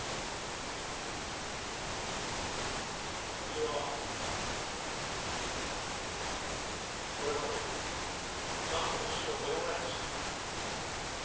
私はこれまで何度も死を目の前にしてきた。